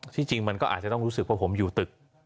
ที่จริงมันก็อาจจะต้องรู้สึกว่าผมอยู่ตึก